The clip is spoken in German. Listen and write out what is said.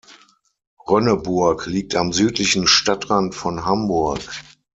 Rönneburg liegt am südlichen Stadtrand von Hamburg.